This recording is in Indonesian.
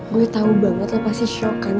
gue tau banget lah pasti shock kan